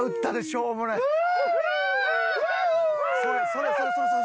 それそれそれそれ！